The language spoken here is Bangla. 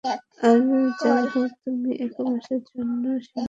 আর যাইহোক তুমি এক মাসের জন্য শিমলা যাচ্ছো সামার ক্যাম্পে।